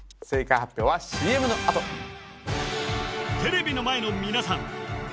正解発表はＣＭのあとテレビの前の皆さん